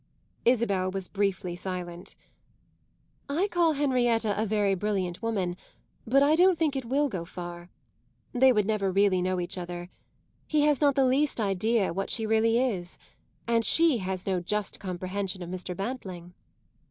Isabel was briefly silent. "I call Henrietta a very brilliant woman, but I don't think it will go far. They would never really know each other. He has not the least idea what she really is, and she has no just comprehension of Mr. Bantling."